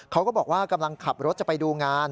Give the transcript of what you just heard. เขาก็บอกว่ากำลังขับรถจะไปดูงาน